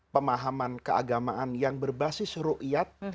pemahaman keagamaan yang berbasis rukyat